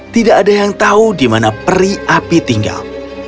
tidak ada yang tahu di mana peri api tinggal